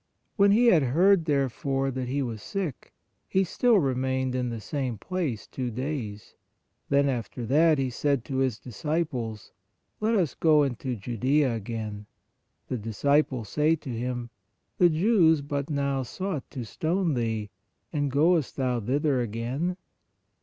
When He had heard, therefore, that he was sick, He still remained in the same place two days. Then after that, He said to His disciples: Let us go into Judea again. The disciples say to Him : The Jews but now sought to stone Thee; and goest Thou thither again?